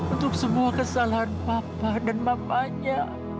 untuk semua kesalahan papa dan mamanya